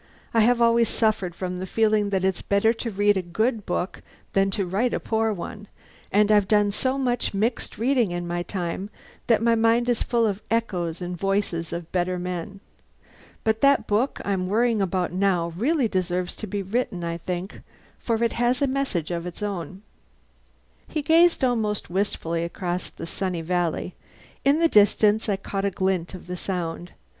I have always suffered from the feeling that it's better to read a good book than to write a poor one; and I've done so much mixed reading in my time that my mind is full of echoes and voices of better men. But this book I'm worrying about now really deserves to be written, I think, for it has a message of its own." He gazed almost wistfully across the sunny valley. In the distance I caught a glint of the Sound.